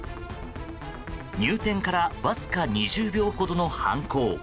入店からわずか２０秒ほどの犯行。